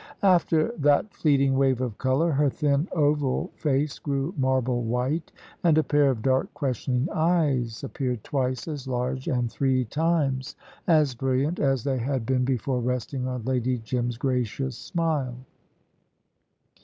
After that fleeting wave of colour, her thin, oval face grew marble white, and a pair of dark questioning eyes appeared twice as large and three times as brilliant as they had been before resting on Lady Jim's gracious smile.